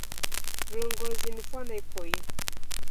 Wulongozi ni fwana ipoiye.